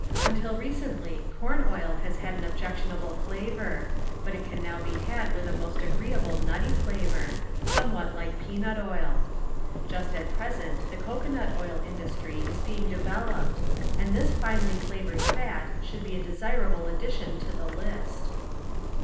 Until recently corn oil has had an objectionable flavor, but it can now be had with a most agreeable nutty flavor, somewhat like peanut oil. Just at present the cocoanut oil industry is being developed and this finely flavored fat should be a d«>siral)le addi tion to the list.